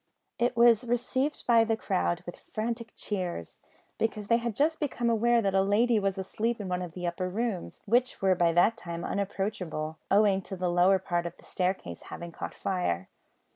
It was received by the crowd with frantic cheers, because they had just become aware that a lady was asleep in one of the upper rooms, which were by that time unapproachable, owing to the lower part of the staircase having caught fire.